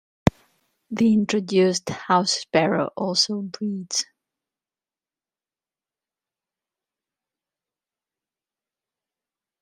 The introduced house sparrow also breeds.